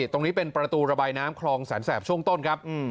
ตรงนี้เป็นประตูระบายน้ำคลองแสนแสบช่วงต้นครับ